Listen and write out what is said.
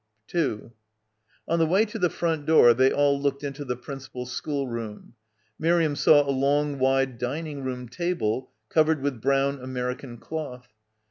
On the way to the front door they all looked into the principal schoolroom. Miriam saw a long wide dining room table covered with brown American cloth.